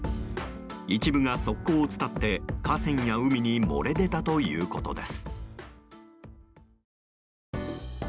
一部が側溝を伝って河川や海に漏れ出たということです。